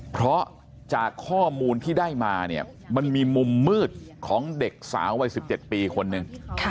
เพราะจากข้อมูลที่ได้มาเนี่ยมันมีมุมมืดของเด็กสาววัย๑๗ปีคนหนึ่ง